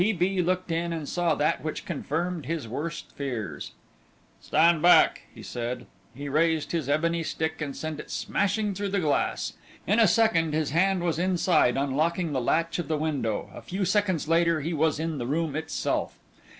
T. B. looked in and saw that which confirmed his worst fears. "Stand back," he said. He raised his ebony stick and sent it smashing through the glass. In a second his hand was inside unlocking the latch of the window; a few seconds later he was in the room itself.